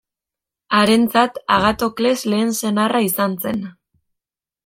Harentzat Agatokles lehen senarra izan zen.